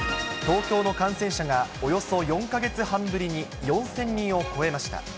東京の感染者がおよそ４か月半ぶりに４０００人を超えました。